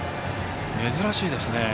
珍しいですね。